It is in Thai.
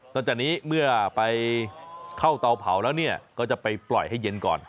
ตอนนี้เมื่อไปเข้าเตาเผาแล้วเนี่ยก็จะไปปล่อยให้เย็นก่อน